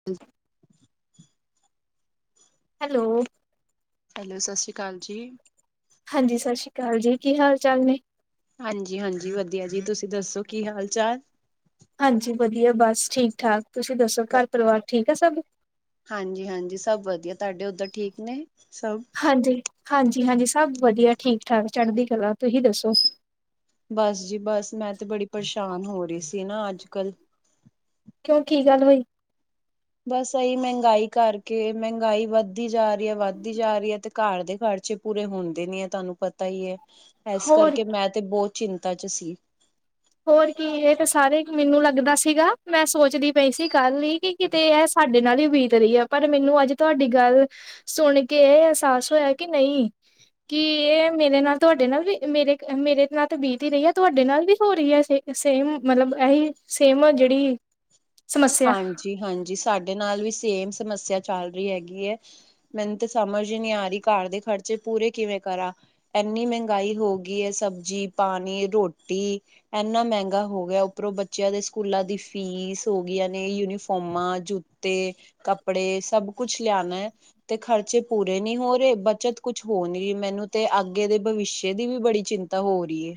[unintelligible] Hello. Hello ਸਤਿ ਸ਼੍ਰੀ ਅਕਾਲ ਜੀ। ਹਾਂਜੀ ਸਤਿ ਸ਼੍ਰੀ ਅਕਾਲ ਜੀ ਕੀ ਹਾਲ ਚਾਲ ਨੇ? ਹਾਂਜੀ, ਹਾਂਜੀ ਵਧੀਆ ਜੀ ਤੁਸੀਂ ਦੱਸੋ ਕੀ ਹਾਲ ਚਾਲ? ਹਾਂਜੀ, ਵਧੀਆ ਬਸ ਠੀਕ ਠਾਕ ਤੁਸੀਂ ਦੱਸੋ ਘਰ ਪਰਿਵਾਰ ਠੀਕ ਆ ਸਭ ਹਾਂਜੀ-ਹਾਂਜੀ, ਸਭ ਵਧੀਆ ਤੁਹਾਡੇ ਉੱਧਰ ਠੀਕ ਨੇ ਸਭ ਹਾਂਜੀ-ਹਾਂਜੀ, ਹਾਂਜੀ ਸਭ ਵਧੀਆ ਠੀਕ ਠਾਕ ਚੜ੍ਹਦੀ ਕਲਾ ਤੁਸੀਂ ਦੱਸੋ? ਬਸ ਜੀ ਬਸ ਮੈਂ ਤੇ ਬੜੀ ਪਰੇਸ਼ਾਨ ਹੋ ਰਹੀ ਸੀ ਨਾ ਅੱਜ ਕੱਲ। ਕਿਉਂ ਕੀ ਗੱਲ ਹੋਈ? ਬਸ ਇਹੀ ਮਹਿੰਗਾਈ ਕਰਕੇ ਮਹਿੰਗਾਈ ਵੱਧਦੀ ਜਾ ਵੱਧਦੀ ਜਾ ਰਹੀ ਐ ਤੇ ਘਰ ਦੇ ਖਰਚੇ ਪੂਰੇ ਹੁੰਦੇ ਨੀ ਐ ਤੁਹਾਨੂੰ ਪਤਾ ਈ ਐ। ਏਸ ਹੋਰ ਕਰਕੇ ਮੈਂ ਤੇ ਬਹੁਤ ਚਿੰਤਾ ਚ ਸੀ। ਹੋਰ ਕੀ ਇਹ ਤੇ ਸਾਰੇ ਮੈਨੂੰ ਲੱਗਦਾ ਸੀਗਾ ਮੈਂ ਸੋਚਦੀ ਪਈ ਸੀ ਕੱਲ ਈ, ਕਿਤੇ ਇਹ ਸਾਡੇ ਨਾਲ ਈ ਬੀਤ ਰਹੀ ਐ ਪਰ ਮੈਨੂੰ ਅੱਜ ਤੁਹਾਡੀ ਗੱਲ! ਸੁਣ ਕੇ ਏ ਅਹਿਸਾਸ ਹੋਇਆ ਕਿ ਨਹੀਂ। ਕੀ ਇਹ ਮੇਰੇ ਨਾਲ ਤੁਹਾਡੇ ਨਾਲ ਵੀ ਮੇਰੇ ਮੇਰੇ ਨਾਲ ਤੇ ਬੀਤ ਈ ਰਹੀ ਆ ਤੁਹਾਡੇ ਨਾਲ ਵੀ ਪੂਰੀ ਐ ਸੇ ਸੇਮ ਮਤਲਬ ਇਹੀ ਸੇਮ ਜਿਹੜੀ! ਸਮੱਸਿਆ। ਹਾਂਜੀ-ਹਾਂਜੀ ਸਾਡੇ ਨਾਲ ਵੀ ਸੇਮ ਸਮੱਸਿਆ ਚੱਲ ਰੀ ਹੈਗੀ ਐ। ਮੈਨੂੰ ਤਾਂ ਸਮਝ ਈ ਨੀ ਆ ਰੀ ਘਰ ਦੇ ਖਰਚੇ ਪੂਰੇ ਕਿਵੇਂ ਕਰਾ? ਐਨੀ ਮਹਿੰਗਾਈ ਹੋ ਗਈ ਐ ਸਬਜ਼ੀ, ਪਾਣੀ, ਰੋਟੀ। ਐਨਾ ਮਹਿੰਗਾ ਹੋ ਗਿਆ ਉੱਪਰੋਂ ਬੱਚਿਆਂ ਦੇ ਸਕੂਲਾਂ ਦੀ ਫੀਸ। ਹੋਗੀਆਂ ਨੇ ਯੂਨੀਫੋਮਾਂ, ਜੁੱਤੇ, ਕੱਪੜੇ ਸਬ ਕੁਛ ਲਿਆਣਾ। ਤੇ ਖਰਚੇ ਪੂਰੇ ਨੀ ਹੋ ਰਹੇ ਬੱਚਤ ਕੁਛ ਹੋ ਨੀ ਰਹੀ ਮੈਨੂੰ ਤੇ ਅੱਗੇ ਦੇ ਭਵਿੱਸ਼ਯ ਦੀ ਵੀ ਬੜੀ ਚਿੰਤਾ। ਤਾਂ ਹੋ ਰਹੀ ਏ।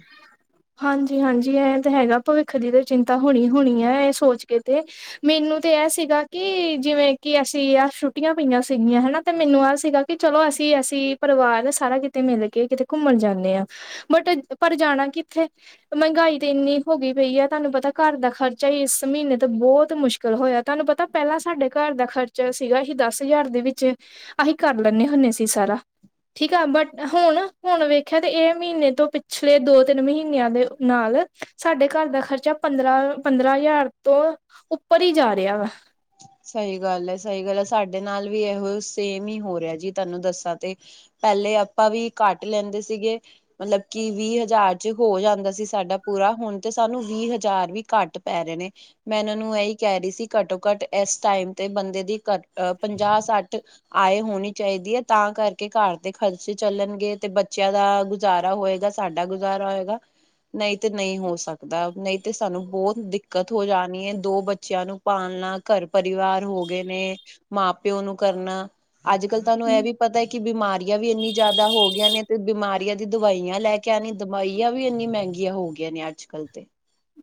ਹਾਂਜੀ ਹਾਂਜੀ, ਇਹ ਤੇ ਹੈਗਾ ਭਵਿੱਖ ਦੀ ਤੇ ਚਿੰਤਾ ਹੋਣੀ ਹੋਣੀ ਐ ਏ ਸੋਚ ਕੇ ਤੇ। ਮੈਨੂੰ ਤੇ ਐ ਸੀਗਾ ਕਿ ਜਿਵੇਂ ਕਿ ਅਸੀਂ ਆ ਛੁੱਟੀਆਂ ਪਈਆਂ ਸੀਗੀਆਂ ਹਨਾ ਤੇ ਮੈਨੂੰ ਆਹ ਸੀਗਾ। ਕਿ ਚਲੋ ਅਸੀਂ ਅਸੀਂ ਪਰਿਵਾਰ ਸਾਰਾ ਕਿਤੇ ਮਿਲ ਕੇ ਕਿਤੇ ਘੁੰਮਣ ਜਾਣੇ ਆ ਬਟ ਪਰ ਜਾਣਾ ਕਿੱਥੇ? ਮਹਿੰਗਾਈ ਤੇ ਇੰਨੀ ਹੋ ਗਈ ਪਈ ਐ ਤੁਹਾਨੂੰ ਪਤਾ ਘਰ ਦਾ ਖਰਚਾ ਈ ਇਸ ਮਹੀਨੇ ਤੋਂ ਬਹੁਤ ਮੁਸ਼ਕਿਲ ਹੋਇਆ ਤੁਹਾਨੂੰ ਪਤਾ ਪਹਿਲਾਂ ਸਾਡੇ ਘਰ ਦਾ ਖ਼ਰਚਾ ਸੀਗਾ ਅਸੀਂ ਦਸ ਹਜ਼ਾਰ ਦੇ ਵਿੱਚ। ਅਸੀਂ ਕਰ ਲੈਂਦੇ ਹੁੰਦੇ ਸੀ ਸਾਰਾ। ਠੀਕ ਆ' ਬਟ ਹੁਣ ਹੁਣ ਵੇਖਿਆ ਤੇ ਏ ਮਹੀਨੇ ਤੋਂ ਪਿਛਲੇ ਦੋ ਤਿੰਨ ਮਹੀਨਿਆਂ ਦੇ ਨਾਲ ਸਾਡੇ ਘਰ ਦਾ ਖਰਚਾ ਪੰਦਰਾਂ ਪੰਦਰਾਂ ਹਜ਼ਾਰ ਤੋਂ ਉੱਪਰ ਈ ਜਾ ਰਿਹਾ ਵਾ। ਸਹੀ ਗੱਲ ਐ ਸਹੀ ਗੱਲ ਐ ਸਾਡੇ ਨਾਲ ਵੀ ਇਹੋ ਸੇਮ ਹੀ ਹੋ ਰਿਹਾ ਜੀ ਤੁਹਾਨੂੰ ਦੱਸਾਂ ਤੇ। ਪਹਿਲੇ ਆਪਾਂ ਵੀ ਘੱਟ ਲੈਂਦੇ ਸੀਗੇ। ਮਤਲਬ ਕਿ ਵੀਹ ਹਜ਼ਾਰ ਚ ਹੋ ਜਾਂਦਾ ਸੀ ਸਾਡਾ ਪੂਰਾ ਹੁਣ ਤੇ ਸਾਨੂੰ ਵੀਹ ਹਜ਼ਾਰ ਵੀ ਘੱਟ ਪੈ ਰੇ ਨੇ। ਮੈਂ ਇਹਨਾਂ ਨੂੰ ਇਹੀ ਕਹਿ ਰਹੀ ਸੀ ਘੱਟੋ ਘੱਟ ਇਸ ਟਾਈਮ ਤੇ ਬੰਦੇ ਦੀ ਪੰਜਾਹ ਸੱਠ ਆਏ ਹੋਣੀ ਚਾਹੀਦੀ ਐ ਤਾਂ ਕਰਕੇ ਘਰ ਦੇ ਖਰਚੇ ਚੱਲਣਗੇ ਤੇ ਬੱਚਿਆਂ ਦਾ ਗੁਜ਼ਾਰਾ ਹੋਏਗਾ। ਤੁਹਾਡਾ ਗੁਜ਼ਾਰਾ ਹੋਏਗਾ। ਨਹੀਂ ਤੇ ਨਹੀਂ ਹੋ ਸਕਦਾ ਨਹੀਂ ਤੇ ਸਾਨੂੰ ਬਹੁਤ ਦਿੱਕਤ ਹੋ ਜਾਣੀ ਐ ਦੋ ਬੱਚਿਆਂ ਨੂੰ ਪਾਲਣਾ। ਘਰ ਪਰਿਵਾਰ ਹੋ ਗਏ ਨੇ ਮਾਂ ਪਿਓ ਨੂੰ ਕਰਨਾ। ਅੱਜ ਕੱਲ ਤੁਹਾਨੂੰ ਇਹ ਵੀ ਪਤਾ ਹੈ ਕਿ ਬਿਮਾਰੀਆਂ ਵੀ ਇੰਨੀ ਜ਼ਿਆਦਾ ਹੋ ਗਈਆਂ ਨੇ ਤੇ ਬਿਮਾਰੀਆਂ! ਦੀ ਦਵਾਈਆਂ ਲੈ ਕੇ ਆਉਣੀ ਦਵਾਈਆਂ ਵੀ ਇੰਨੀ ਮਹਿੰਗੀਆਂ ਹੋ ਗਈਆਂ ਨੇ ਅੱਜ ਕੱਲ੍ਹ ਤੇ।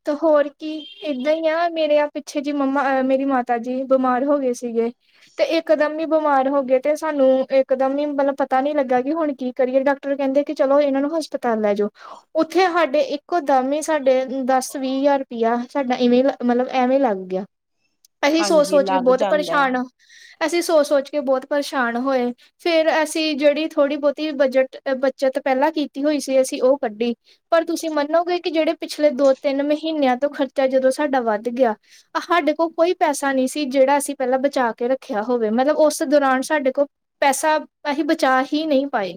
ਤਾਂ ਹੋਰ ਕੀ ਏਦਾਂ ਹੀ ਆ ਮੇਰੇ ਪਿੱਛੇ ਜੀ ਮੰਮਾ ਮੇਰੀ ਮਾਤਾ ਜੀ ਬਿਮਾਰ ਹੋ ਗਏ ਸੀਗੇ। ਤੇ ਇਕ ਦਮ ਹੀ ਬਿਮਾਰ ਹੋ ਗਏ ਤੇ ਸਾਨੂੰ ਇਕ ਦਮ ਹੀ ਮਤਲਬ ਪਤਾ ਨੀ ਲੱਗਾ ਕਿ ਹੁਣ ਕੀ ਕਰੀਅਰ ਡਾਕਟਰ ਕਹਿੰਦੇ ਕਿ ਚਲੋ ਇਹਨਾਂ ਨੂੰ ਹਸਪਤਾਲ ਲੈ ਜਾਓ। ਉੱਥੇ ਹਾਡੇ ਇੱਕੋ ਦਮ ਸਾਡੇ ਦਾਦੀ ਵੀਹ ਹਜ਼ਾਰ ਰੁਪਇਆ ਸਾਡਾ ਇਵੇਂ ਮਤਲਬ ਐਵੇਂ ਲੱਗ ਗਿਆ। ਅਸੀਂ ਸੋਚ ਹਾਂਜੀ ਸੋਚ ਕੇ ਲੱਗ ਬਹੁਤ ਜਾਂਦਾ ਹੈ ਪਰੇਸ਼ਾਨ, ਅਸੀਂ ਸੋਚ ਸੋਚ ਕੇ ਬਹੁਤ ਪਰੇਸ਼ਾਨ ਹੋਏ। ਫੇਰ ਅਸੀਂ ਜਿਹੜੀ ਥੋੜ੍ਹੀ ਬਹੁਤੀ ਬਜਟ ਬੱਚਤ ਪਹਿਲਾਂ ਕੀਤੀ ਹੋਈ ਸੀ ਅਸੀਂ ਉਹ ਕੱਢੀ। ਪਰ ਤੁਸੀਂ ਮੰਨੋਗੇ ਕਿ ਜਿਹੜੇ ਪਿਛਲੇ ਦੋ ਤਿੰਨ ਮਹੀਨਿਆਂ ਤੋਂ ਖਰਚਾ ਜਦੋਂ ਸਾਡਾ ਵੱਧ ਗਿਆ! ਸਾਡੇ ਕੋਲ ਕੋਈ ਪੈਸਾ ਨਹੀਂ ਸੀ ਜਿਹੜਾ ਅਸੀਂ ਪਹਿਲਾਂ ਬਚਾ ਕੇ ਰੱਖਿਆ ਹੋਵੇ ਮਤਲਬ ਉਸ ਦੌਰਾਨ ਸਾਡੇ ਕੋਲ ਪੈਸਾ ਅਸੀਂ ਬਚਾ ਹੀ ਨਹੀਂ ਪਾਏ।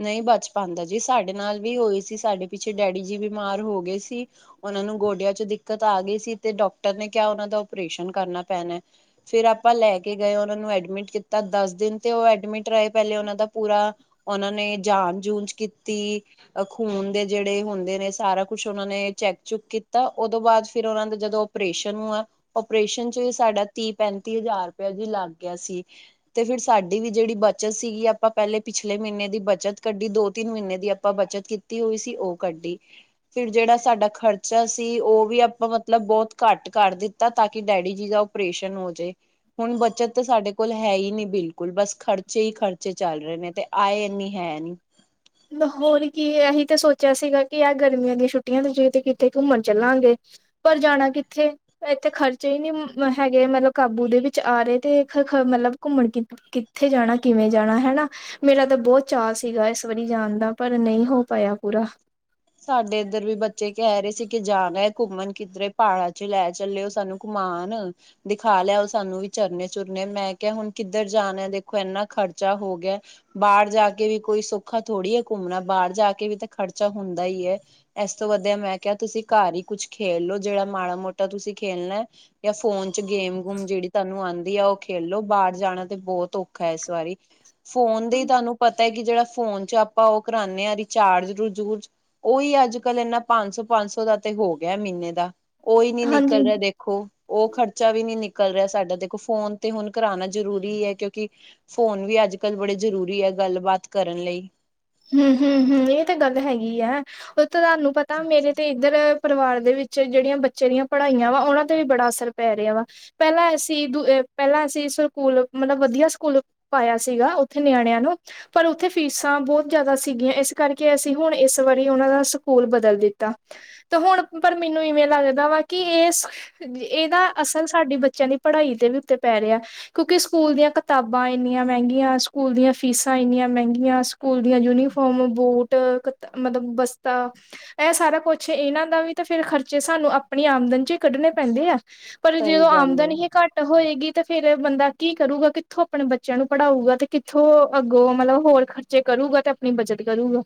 ਨਹੀਂ ਬਚ ਪਾਉਂਦਾ ਜੀ ਸਾਡੇ ਨਾਲ ਵੀ ਹੋਏ ਸੀ ਸਾਡੇ ਪਿੱਛੇ ਡੈਡੀ ਜੀ ਬਿਮਾਰ ਹੋ ਗਏ ਸੀ। ਉਹ ਨੂੰ ਗੋਡਿਆਂ ਚ ਦਿੱਕਤ ਆ ਗਈ ਸੀ ਤੇ ਡਾਕਟਰ ਨੇ ਕਿਹਾ ਉਹਨਾਂ ਦਾ ਓਪਰੇਸ਼ਨ ਕਰਨਾ ਪੈਣਾ। ਫੇਰ ਆਪਾਂ ਲੈ ਕੇ ਗਏ ਉਹਨਾਂ ਨੂੰ ਐਡਮਿਟ ਕੀਤਾ ਦਸ ਦਿਨ ਤੇ ਉਹ ਐਡਮਿਟ ਰਹੇ ਪਹਿਲੇ ਉਹਨਾਂ ਦਾ ਪੂਰਾ ਓਨਾਂ ਨੇ ਜਾਂਚ ਜੂਂਚ ਕੀਤੀ ਖੂਨ ਦੇ ਜੇੜੇ ਹੁੰਦੇ ਨੇ ਸਾਰਾ ਕੁਛ ਓਨਾਂ ਨੇ ਚੈਕ ਚੁੱਕ ਕੀਤਾ, ਓਦੋਂ ਬਾਦ ਫੇਰ ਓਨਾਂ ਦਾ ਜਦੋਂ ਪਰੇਸ਼ਨ ਹੂਆ, ਓਪਰੇਸ਼ਨ ਚ ਵੀ ਸਾਡਾ ਤੀਹ, ਪੈਂਤੀ ਹਜ਼ਾਰ ਰਪੇਆ ਜੀ ਲਾੱਗ ਗੇਆ ਸੀ। ਤੇ ਫਿਰ ਸਾਡੀ ਵੀ ਜੇੜੀ ਬੱਚਤ ਸੀਗੀ, ਅਪਾਂ ਪੈਲੇ ਪਿੱਛ ਪਿਛਲੇ ਮ੍ਹੀਨੇ ਦੀ ਬੱਚਤ ਕੱਡੀ, ਦੋ ਤਿੰਨ ਮ੍ਹੀਨੇ ਦੀ ਅਪਾਂ ਬੱਚਤ ਕੀਤੀ ਹੋਈ ਸੀ ਓ ਕੱਡੀ ਫਿਰ ਜੇੜਾ ਸਾਡਾ ਖਰਚਾ ਸੀ ਓ ਵੀ ਅਪਾਂ ਮਤਲਬ ਬੋਤ ਕੱਟ ਕਰ ਦਿੱਤਾ ਤਾਕਿ ਡੈਡੀ ਜੀ ਦਾ ਓਪਰੇਸ਼ਨ ਹੋ ਜੇ। ਹੁਣ ਬੱਚਤ ਤੇ ਸਾਡੇ ਕੋਲ ਹੈਈ ਨੀ ਬਿਲਕੁਲ, ਬਾਸ ਖਰਚੇ ਈ ਖਰਚੇ ਚਲ ਰੇ ਨੇ ਤੇ ਆਏ ਏਨੀ ਹੈ ਨੀ। ਹੋਰ ਕੀ ਐ ਹੀ ਤੇ ਸੋਚੇਆ ਸੀਗਾ, ਕਿ ਐ ਗਰਮੀਆਂ ਦੀ ਛੁੱਟੀਆਂ ਤੇ, ਵੀ ਤੇ ਕਿੱਥੇ ਘੁੰਮਣ ਚੱਲਾਂਗੇ। ਪਰ ਜਾਣਾ ਕਿੱਥੇ ਏੱਥੇ ਖਰਚੇ ਈ ਨੀ ਹੈਗੇ ਮਤਲਬ ਕਾਬੂ ਦੇ ਵਿੱਚ ਆਰੇ, ਤੇ ਮਤਲਬ ਘੁੰਮਣ ਕਿ ਕਿੱਥੇ ਜਾਣਾ, ਕਿਵੇਂ ਜਾਣਾ ਹੇਨਾ, ਮੇਰਾ ਤਾਂ ਬੋਤ ਚਾਅ ਸੀਗਾ ਇਸ ਵਰੀ ਜਾਨਦਾ, ਪਰ ਨਈ ਹੋ ਪਾਏਆ ਪੂਰਾ। ਸਾਡੇ ਇੱਧਰ ਵੀ ਬੱਚੇ ਕੈਰੈ ਸੀ ਕਿ ਜਾਨੈ ਘੁੰਮਣ ਕਿੱਧਰੇ ਪਹਾੜਾਂ ਚ ਲੈ ਚੱਲੇਓ ਸਾਨੂੰ ਘੁਮਾਨ ਦਿਖਾ ਲੇਆਓ ਸਾਨੂੰ ਵੀ ਝਰਨੇ ਚੁਰਨੇ, ਮੈਂ ਕੇਆ ਹੁਨ ਕਿੱਧਰ ਜਾਣੈ ਦੇਖੋ ਏਨਾ ਖਰਚਾ ਹੋ ਗੇਆ ਬਹਾਰ ਜਾ ਕੇ ਵੀ ਕੋਈ ਸੁੌਖਾ ਥੋੜੀ ਏ ਘੁੰਮਣਾ, ਬਾਰ ਜਾ ਕੇ ਵੀ ਤਾ ਖ਼ਰਚਾ ਹੁੰਦਾ ਈ ਏ ਏਸ ਤੋ ਵਦੀਆ ਮੈਂ ਕੇਆ ਤੂਸੀ ਘਾਰ ਈ ਕੁੱਛ ਖੇਲ ਲੋ, ਜੇੜਾ ਮਾੜਾ ਮੋਟਾ ਤੂਸੀ ਖੇਲਨੈ ਯਾ ਫੋ਼ਨ ਚ ਗੇਮ ਗੂਮ ਜੇੜੀ ਤੂਆਨੂੰ ਆਂਦੀ ਐ ਓ ਖੇ ਖੇਲੋ, ਬਾਰ ਜਾਣਾ ਤੇ ਬੋਤ ਔਖੈ ਇਸ ਵਾਰੀ ਫੋਨ ਦੇ ਈ ਤੂਆਨੂੰ ਪਤਾ ਐ ਕਿ ਜੇੜਾ ਫੋਨ ਚ ਆਪਾਂ ਓ ਕਰਾਨੇ ਆਂ ਰਿਚਾਰਜ ਰਜੁਜ ਓਈ ਆਜ ਕਾਲ ਏਨਾ ਪੇਨਸੋ ਸੌ, ਪੇਨਸੋ ਦਾ ਤੇ ਹੋ ਗੇਆ ਮਹੀਨੇ ਦਾ, ਓਈ ਨੀ ਹਾਂਜੀ ਨਿਕਲ ਰੇਆ ਦੇਖੋ ਦੇਖੋ ਓ ਖਰਚਾ ਵੀ ਨੀ ਨਿਕਲ ਰੇਆ ਸਾਡਾ ਦੇਖੋ, ਫੋ਼ਨ ਤੇ ਹੁਨ ਕਰਾਨਾ ਜ਼ਰੂਰੀ ਐ ਕਿਉਂਕਿ ਫੋਨ ਵੀ ਅੱਜ ਕਾਲ ਬੜੇ ਜਰੂਰੀ ਐ ਗਾਲਬਾਤ ਕਰਨ ਲਈ। ਹੂੰ, ਹੂੰ, ਹੂੰ ਏ ਤਾ ਗਾਲ ਹੈਗੀ ਐ ਓ ਤਾ ਤੂਆਨੂੰ ਪਤਾ ਮੇਰੇ ਤੇ ਇੱਧਰ ਪਰਿਵਾਰ ਦੇ ਵਿਚ ਜੇੜੀਆਂ ਬੱਚੇ ਦੀਆਂ ਪਢਾਈਆਂ ਵਾ, ਓਨਾਂ ਤੇ ਵੀ ਬੜਾ ਅਸਰ ਪੈ ਰੇਆ ਵਾ। ਪੈਹਲਾਂ ਅਸੀ ਦੁ, ਪੈਹਲਾਂ ਅਸੀ ਸੂਕੂਲ ਮਤਲਬ ਵਦੀਆ ਸੂਕੂਲ ਪਾਈਏਆ ਸੀਗਾ ਓਥੇ ਨਿਆਣੇਆਂ ਨੂੰ, ਪਰ ਓਥੇ ਫੀਸਾਂ ਬੋਤ ਜਾਦਾ ਸੀਗੀਆਂ ਏਸ ਕਾਰਕੇ ਅਸੀ ਹੁਣ ਏਸ ਵਾਰੀ ਓਨਾਂ ਦਾ ਸੂਕੂਲ ਬਦਲ ਦਿੱਤਾ। ਤੇ ਹੁਣ ਪਰ ਮੈਨੂੰ ਇਵੇਂ ਲੱਗਦਾ ਵਾ ਕਿ ਏਸ, ਏ ਨਾ ਅਸਲ ਸਾਡੀ ਬੱਚਿਆਂ ਦੀ ਪੜਾਈ ਦੇ ਵੀ ਉਤੇ ਪੈ ਰਿਆ। ਕਿਉਂਕਿ ਸੂਕੂਲ ਦੀਆਂ ਕਤਾਬਾਂ ਏਨੀਆਂ ਮਹਿੰਗੀਆਂ, ਸੂਕੂਲ ਦੀਆਂ ਫੀਸਾਂ ਏਨੀਆਂ ਮਹਿੰਗੀਆਂ ਸਕੂਲ ਦੀਆਂ ਯੂਨੀਫੋਮ, ਬੂਟ ਕ ਮਤਲਬ ਬਸਤਾ। ਏਹ ਸਾਰਾ ਕੁੱਛ ਇਹਨਾਂ ਦਾ ਵੀ ਤਾਂ ਫਿਰ ਖਰਚੇ ਸਾਨੂੰ ਆਪਣੀ ਆਮਦਨ ਚੋ ਈ ਕੱਡਨੇ ਪੈਂਦੇ ਐ ਪਰ ਸਹੀ ਜਦੋਂ ਗੱਲ ਆਮਦਨ ਏ ਹੀ ਘੱਟ ਹੋਏਗੀ ਤੇ ਫੇਰ ਬੰਦਾ ਕੀ ਕਰੂਗਾ, ਕਿੱਥੋਂ ਅਪਣੇ ਬੱਚੇ ਆ ਨੂੰ ਪੜਾਂਊਗਾ, ਤੇ ਕਿੱਥੋਂ ਅੱਗੋਂ ਮਤਲਬ ਹੋਰ ਖ ਰਚੇ ਕਰੂਗਾ ਤਾਂ ਆਪਣੀ ਬਚਤ ਕਰੂਗਾ।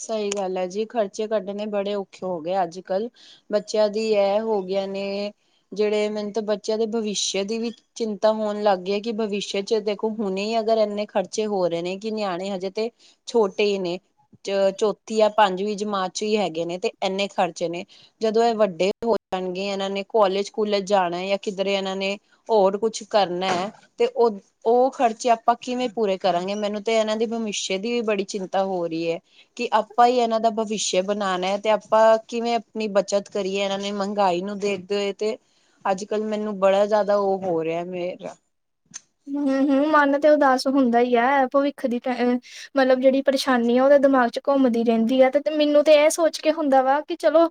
ਸਈ ਗੱਲ ਐ ਜੀ ਖ਼ਰਚੇ ਕੱਡਨੇ ਬੜੇ ਔਖੇ ਹੋ ਗਏ ਅੱਜਕਲ ਬੱਚਿਆਂ ਦੀ ਐ ਹੋ ਗਈਆਂ ਨੇ, ਜਿਹੜੇ ਮੈਨੂੰ ਤੇ ਬੱਚਿਆਂ ਦੇ ਭਵਿਸ਼ਯ ਦੀ ਵੀ ਚਿੰਤਾ ਹੋਣ ਲਾਗੀ ਐ, ਕਿ ਭਵਿਸ਼ਯ ਚ ਦੇਖੋ ਹੁਨੇ ਅਗਰ ਐਨੇ ਖਰਚੇ ਹੋ ਰੇ ਨੇ ਕਿ ਨਿਆਣੇ ਹਜੇ ਤੇ ਛੋਟੇ ਈ ਨੇ ਚ, ਚੌਥੀ ਜਾਂ ਪੰਜਵੀਂ ਜਮਾਤ ਚ ਈ ਹੈਗੇ ਨੇ ਤੇ ਏਨੇ ਖ਼ਰਚੇ ਨੇ ਜਦੋਂ ਐ ਵੱਡੇ ਹੋ ਜਾਨਗੇ ਏਨਾ ਨੇ ਕੋਲੇਜ ਕੂਲਜ ਜਾਣਾ ਜਾ ਕਿਧਰੇ ਏਨਾ ਨੇ ਹੋਰ ਕੁਛ ਕਰਨਾ ਤੇ ਓ ਓ ਖਰਚੇ ਆਪਾਂ ਕਿਵੇਂ ਪੂਰੇ ਕਰਾਂਗੇ ਮੈਨੂੰ ਤੇ ਐਨਾਂ ਦੀ ਭਵਿਸ਼ਯ ਦੀ ਵੀ ਬੜੀ ਚਿੰਤਾ ਹੋ ਰੀ ਏ। ਕਿ ਆਪਾਂ ਈ ਇਨਾਂ ਦਾ ਭਵਿਸ਼ਯ ਬਣਾਨਾ ਤੇ ਆਪਾਂ ਕਿਵੇਂ ਆਪਣੀ ਬੱਚਤ ਕਰੀਏ ਐਨਾਂ ਨੇ ਮਹੰਗਾਈ ਨੂੰ ਦੇਖਦੇ ਹੋਏ ਤੇ ਅੱਜਕਲ ਮੈਨੂੰ ਬੜਾ ਜ਼ਿਆਦਾ ਓ ਹੋ ਰੇ ਆ ਮੇਰਾ ਹੂੰ, ਹੂੰ ਮਨ ਤੇ ਉਦਾਸ ਹੁੰਦਾ ਈ ਐ, ਭਵਿੱਖ ਦੀ ਟੈ ਮਤਲਬ ਜਿਹੜੀ ਪਰੇਸ਼ਾਨੀ ਆ ਓਦੇ ਦਿਮਾਗ ਚ ਘੁੰਮਦੀ ਰਹਿੰਦੀ ਆ ਤੇ ਮੈਨੂੰ ਤੇ ਐ ਸੋਚ ਕੇ ਹੁੰਦਾ ਵਾ ਕਿ ਚਲੋ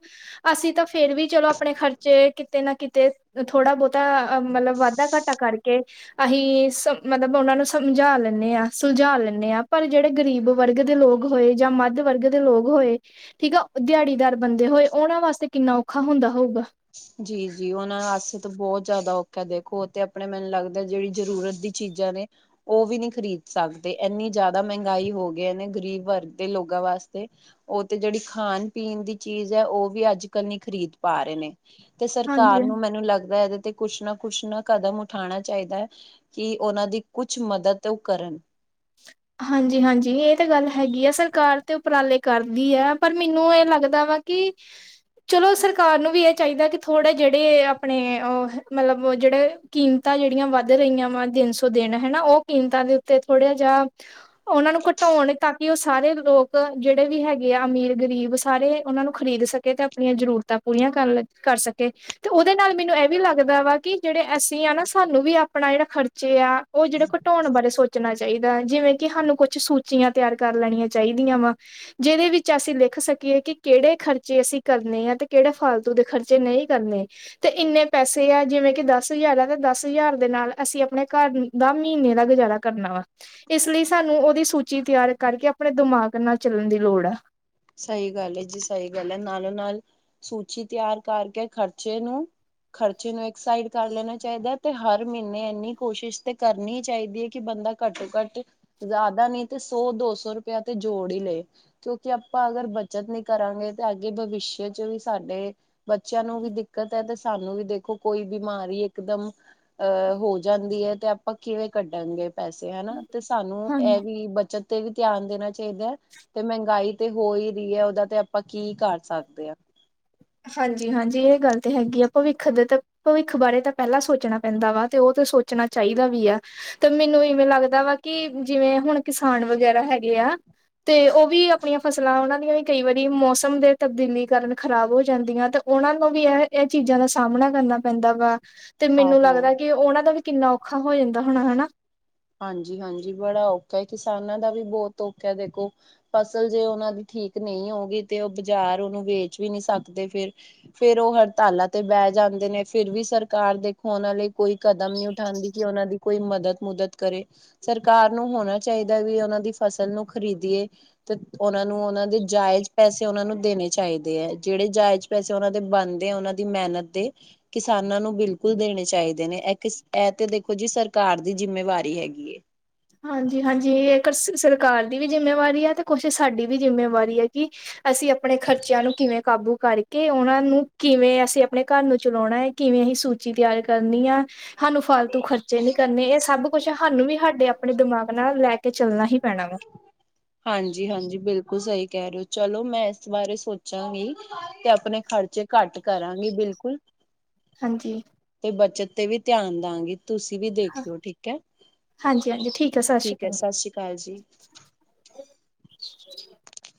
ਅਸੀਂ ਤਾਂ ਫੇਰ ਵੀ ਚਲੋ ਆਪਣੇ ਖਰਚੇ ਕਿਤੇ ਨਾ ਕਿਤੇ ਥੋੜਾ ਬਹੁਤਾ ਅ ਮਤਲਬ ਵਾਧਾ ਘਾਟਾ ਕਰਕੇ ਅਸੀਂ ਸ ਮਤਲਬ ਉਹਨਾਂ ਨੂੰ ਸਮਝਾ ਲੈਣੇ ਆ ਸੁਲਝਾ ਲੈਣੇ ਆ ਪਰ ਜਿਹੜੇ ਗਰੀਬ ਵਰਗ ਦੇ ਲੋਕ ਹੋਏ ਜਾਂ ਮੱਧ ਵਰਗ ਦੇ ਲੋਕ ਹੋਏ ਠੀਕ ਆ ਦਿਹਾੜੀਦਾਰ ਬੰਦੇ ਹੋਏ ਉਹਨਾਂ ਵਾਸਤੇ ਕਿੰਨਾ ਔਖਾ ਹੁੰਦਾ ਹੋਊਗਾ ਜੀ ਜੀ ਉਹਨਾਂ ਵਾਸਤੇ ਤਾਂ ਬਹੁਤ ਜ਼ਿਆਦਾ ਔਖਾ ਦੇਖੋ ਓ ਤੇ ਆਪਣੇ ਮੈਨੂੰ ਲੱਗਦਾ ਜਿਹੜੀ ਜ਼ਰੂਰਤ ਦੀ ਚੀਜ਼ਾਂ ਨੇ ਉਹ ਵੀ ਨਹੀਂ ਖ਼ਰੀਦ ਸਕਦੇ ਐਨੀ ਜ਼ਿਆਦਾ ਮਹਿੰਗਾਈ ਹੋ ਗਈ ਨੇ ਗਰੀਬ ਵਰਗ ਦੇ ਲੋਕਾਂ ਵਾਸਤੇ ਉਹ ਤੇ ਜਿਹੜੀ ਖਾਣ ਪੀਣ ਦੀ ਚੀਜ਼ ਐ ਉਹ ਵੀ ਅੱਜ ਕੱਲ ਨ ਖ਼ਰੀਦ ਪਾ ਰੇ ਨੇ ਤੇ ਸਰਕਾਰ ਹਾਂਜੀ ਨੂੰ ਮੈਨੂੰ ਲੱਗਦਾ ਇਹਦੇ ਤੇ ਕੁਛ ਨਾ ਕੁਛ ਨਾ ਕਦਮ ਉਠਾਣਾ ਚਾਹੀਦਾ ਕਿ ਉਹਨਾਂ ਦੀ ਕੁਛ ਮਦਦ ਓ ਕਰਨ [inaudible] ਹਾਂਜੀ ਹਾਂਜੀ, ਇਹ ਤਾਂ ਗੱਲ ਹੈਗੀ ਆ ਸਰਕਾਰ ਤੇ ਉਪਰਾਲੇ ਕਰਦੀ ਐ ਪਰ ਮੈਨੂੰ ਇਹ ਲੱਗਦਾ ਵਾ ਕਿ ਚਲੋ ਸਰਕਾਰ ਨੂੰ ਵੀ ਇਹ ਚਾਹੀਦਾ ਕਿ ਥੋੜੇ ਜਿਹੜੇ ਆਪਣੇ ਉਹ ਮਤਲਬ ਜਿਹੜੇ ਕੀਮਤਾਂ ਜਿਹੜੀਆਂ ਵੱਧ ਰਹੀਆਂ ਵਾ ਦਿਨ ਸੌ ਦਿਨ ਹਨਾ ਉਹ ਕੀਮਤਾਂ ਦੇ ਉੱਤੇ ਥੋੜ੍ਹੇ ਜਾਂ ਉਹਨਾਂ ਨੂੰ ਘਟਾਉਣ ਤਾਂ ਕਿ ਓ ਸਾਰੇ ਲੋਕ ਜਿਹੜੇ ਵੀ ਹੈਗੇ ਆ ਅਮੀਰ ਗਰੀਬ ਸਾਰੇ ਉਹਨਾਂ ਨੂੰ ਖਰੀਦ ਸਕੇ ਤੇ ਆਪਣੀਆਂ ਜਰੂਰਤਾਂ ਪੂਰੀਆਂ ਕਰਨ ਲੱਗੇ। ਕਰ ਸਕੇ। ਤੇ ਉਹਦੇ ਨਾਲ ਮੈਨੂੰ ਏ ਵੀ ਲੱਗਦਾ ਵਾ ਕਿ ਜਿਹੜੇ ਅਸੀਂ ਆ ਨਾ ਸਾਨੂੰ ਵੀ ਆਪਣਾ ਜਿਹੜਾ ਖਰਚੇ ਆ ਓ ਜਿਹੜੇ ਘਟਾਉਣ ਬਾਰੇ ਸੋਚਣਾ ਚਾਹੀਦਾ ਜਿਵੇਂ ਕਿ ਸਾਨੂੰ ਕੁਛ ਸੂਚੀਆਂ ਤਿਆਰ ਕਰ ਲੈਣੀਆਂ ਚਾਹੀਦੀਆਂ ਵਾ ਜਿਹਦੇ ਵਿੱਚ ਅਸੀਂ ਲਿਖ ਸਕੀਏ ਕਿ ਕਿਹੜੇ ਖਰਚੇ ਅਸੀਂ ਕਰਨੇ ਆ ਤੇ ਕਿਹੜੇ ਫਾਲਤੂ ਦੇ ਖਰਚੇ ਨਹੀਂ ਕਰਨੇ। ਤੇ ਇੰਨੇ ਪੈਸੇ ਆ ਜਿਵੇਂ ਕਿ ਦਸ ਹਜ਼ਾਰ ਆ ਤੇ ਦਸ ਹਜ਼ਾਰ ਦੇ ਨਾਲ ਅਸੀਂ ਆਪਣੇ ਘਰ? ਦਾ ਮਹੀਨੇ ਦਾ ਗੁਜ਼ਾਰਾ ਕਰਨਾ ਵਾ? ਇਸ ਲਈ ਸਾਨੂੰ ਉਹਦੀ ਸੂਚੀ ਤਿਆਰ ਕਰਕੇ ਆਪਣੇ ਦਿਮਾਗ ਨਾਲ ਚੱਲਣ ਦੀ ਲੋੜ ਆ ਸਹੀ ਗੱਲ ਐ ਜੀ ਸਹੀ ਗੱਲ ਐ ਨਾਲੋਂ ਨਾਲ ਸੂਚੀ ਤਿਆਰ ਕਰਕੇ ਖ਼ਰਚੇ ਨੂੰ ਖਰਚੇ ਨੂੰ ਇੱਕ ਸਾਈਡ ਕਰ ਲੈਣਾ ਚਾਹੀਦਾ ਤੇ ਹਰ ਮਹੀਨੇ ਇੰਨੀ ਕੋਸ਼ਿਸ਼ ਤੇ ਕਰਨੀ ਹੀ ਚਾਹੀਦੀ ਐ ਕਿ ਬੰਦਾ ਘੱਟੋ ਘੱਟ ਜ਼ਿਆਦਾ ਨੀ ਤੇ ਸੌ ਦੋ ਸੌ ਰੁਪਇਆ ਤੇ ਜੋੜ ਹੀ ਲਏ ਕਿਉਂਕਿ ਆਪਾਂ ਅਗਰ ਬੱਚਤ ਨੀ ਕਰਾਂਗੇ ਤੇ ਅੱਗੇ ਭਵਿਸ਼ਯ ਚ ਵੀ ਸਾਡੇ ਬੱਚਿਆਂ ਨੂੰ ਵੀ ਦਿੱਕਤ ਐ ਤੇ ਸਾਨੂੰ ਵੀ ਦੇਖੋ ਕੋਈ ਬਿਮਾਰੀ ਇਕ ਦਮ ਅਹ ਹੋ ਜਾਂਦੀ ਐ ਤੇ ਆਪਾਂ ਕਿਵੇਂ ਕੱਢਾਂਗੇ ਪੈਸੇ ਹਨਾ ਤੇ ਸਾਨੂੰ ਹਾਂਜੀ ਇਹ ਵੀ ਬੱਚਤ ਤੇ ਵੀ ਧਿਆਨ ਦੇਣਾ ਚਾਹੀਦਾ ਐ, ਤੇ ਮਹਿੰਗਾਈ ਤੇ ਹੋ ਈ ਰੀ ਐ ਉਹਦਾ ਤੇ ਆਪਾਂ ਕੀ ਕਰ ਸਕਦੇ ਆ। ਹਾਂਜੀ-ਹਾਂਜੀ, ਇਹ ਗੱਲ ਤੇ ਹੈਗੀ ਐ ਭਵਿੱਖ ਦੇ ਤਾਂ ਭਵਿੱਖ ਬਾਰੇ ਤਾਂ ਪਹਿਲਾਂ ਸੋਚਣਾ ਪੈਂਦਾ ਵਾ, ਤੇ ਉਹ ਤਾਂ ਸੋਚਣਾ ਚਾਹੀਦਾ ਵੀ ਆ। ਤੇ ਮੈਨੂੰ ਇਵੇਂ ਲੱਗਦਾ ਵਾ ਕਿ ਜਿਵੇਂ ਹੁਣ ਕਿਸਾਨ ਵਗੈਰਾ ਹੈਗੇ ਆ। ਤੇ ਉਹ ਵੀ ਆਪਣੀਆਂ ਫਸਲਾਂ ਉਹਨਾਂ ਦੀਆਂ ਵੀ ਕਈ ਵਾਰੀ ਮੌਸਮ ਦੇ ਤਬਦੀਲੀ ਕਾਰਨ ਖ਼ਰਾਬ ਹੋ ਜਾਂਦੀਆਂ, ਤੇ ਉਹਨਾਂ ਨੂੰ ਵੀ ਇਹ-ਇਹ ਚੀਜ਼ਾਂ ਦਾ ਸਾਹਮਣਾ ਕਰਨਾ ਪੈਂਦਾ ਵਾ। ਤੇ ਮੈਨੂੰ ਆਹੋ। ਲੱਗਦਾ ਕਿ ਉਹਨਾਂ ਦਾ ਵੀ ਕਿੰਨਾ ਔਖਾ ਹੋ ਜਾਂਦਾ ਹੋਣਾ ਹਨਾ। ਹਾਂਜੀ-ਹਾਂਜੀ ਬੜਾ ਔਖਾ ਕਿਸਾਨਾਂ ਦਾ ਵੀ ਬਹੁਤ ਔਖਾ ਦੇਖੋ ਫਸਲ ਜੇ ਉਹਨਾਂ ਦੀ ਠੀਕ ਨਹੀਂ ਹੋਊਗੀ, ਤੇ ਉਹ ਬਾਜ਼ਾਰ ਉਹਨੂੰ ਵੇਚ ਵੀ ਨੀ ਸਕਦੇ ਫਿਰ ਫੇਰ ਉਹ ਹੜਤਾਲਾਂ ਤੇ ਬਹਿ ਜਾਂਦੇ ਨੇ, ਫਿਰ ਵੀ ਸਰਕਾਰ ਦੇਖੋ ਓਹਨਾ ਲਈ ਕੋਈ ਕਦਮ ਨਹੀਂ ਉਠਾਉਂਦੀ ਕਿ ਉਹਨਾਂ ਦੀ ਕੋਈ ਮਦਦ-ਮੁਦਦ ਕਰੇ ਸਰਕਾਰ ਨੂੰ ਹੋਣਾ ਚਾਹੀਦਾ ਐ ਵੀ ਉਹਨਾਂ ਦੀ ਫਸਲ ਨੂੰ ਖ਼ਰੀਦੀਏ ਤੇ ਉਹਨਾਂ ਨੂੰ ਉਹਨਾਂ ਦੇ ਜਾਇਜ਼ ਪੈਸੇ, ਉਹਨਾਂ ਨੂੰ ਦੇਣੇ ਚਾਹੀਦੇ ਐ ਜਿਹੜੇ ਜਾਇਜ਼ ਪੈਸੇ ਉਹਨਾਂ ਦੇ ਬਣਦੇ ਆ, ਉਹਨਾਂ ਦੀ ਮਿਹਨਤ ਦੇ ਕਿਸਾਨਾਂ ਨੂੰ ਬਿਲਕੁਲ ਦੇਣੇ ਚਾਹੀਦੇ ਨੇ, ਇਹ-ਇਹ ਤੇ ਦੇਖੋ ਜੀ ਸਰਕਾਰ ਦੀ ਜਿੰਮੇਵਾਰੀ ਹੈਗੀ ਏ। ਹਾਂਜੀ-ਹਾਂਜੀ ਸਰਕਾਰ ਦੀ ਵੀ ਜਿੰਮੇਵਾਰੀ ਆ, ਤੇ ਕੁਛ ਸਾਡੀ ਵੀ ਜਿੰਮੇਵਾਰੀ ਐ ਕਿ ਅਸੀਂ ਆਪਣੇ ਖਰਚਿਆਂ ਨੂੰ ਕਿਵੇਂ ਕਾਬੂ ਕਰਕੇ ਉਹਨਾਂ ਨੂੰ, ਕਿਵੇਂ ਅਸੀਂ ਆਪਣੇ ਘਰ ਨੂੰ ਚਲਾਉਣਾ ਐ। ਕਿਵੇਂ ਅਸੀਂ ਸੂਚੀ ਤਿਆਰ ਕਰਨੀ ਐ। ਸਾਨੂੰ ਫਾਲਤੂ ਖਰਚੇ ਨੀ ਕਰਨੇ ਇਹ ਸਭ ਕੁਛ ਸਾਨੂੰ ਵੀ ਸਾਡੇ ਆਪਣੇ ਦਿਮਾਗ ਨਾਲ ਲੈ ਕੇ ਚੱਲਣਾ ਹੀ ਪੈਣਾ ਵਾ ਹਾਂਜੀ-ਹਾਂਜੀ ਬਿਲਕੁਲ ਸਹੀ ਕਹਿ ਰਹੇ ਹੋ ਚਲੋ ਮੈਂ ਇਸ ਬਾਰੇ ਸੋਚਾਂਗੀ ਤੇ ਆਪਣੇ ਖਰਚੇ ਘੱਟ ਕਰਾਂਗੀ ਬਿਲਕੁਲ, ਹਾਂਜੀ ਤੇ ਬੱਚਤ ਤੇ ਵੀ ਧਿਆਨ ਦਾ ਗੀ। ਤੁਸੀਂ ਵੀ ਦੇਖਿਓ ਠੀਕ ਐ, ਹਾਂਜੀ ਹਾਂਜੀ ਹੈ ਸ਼੍ਰੀ ਠੀਕ ਅਕਾਲ ਐ ਸਤਿ ਸ੍ਰੀ ਅਕਾਲ ਜੀ।